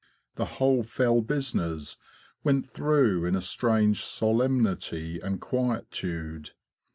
The whole fell business went through in a strange solemnity and quietude.